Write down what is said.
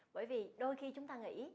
bởi vì đôi khi chúng ta nghĩ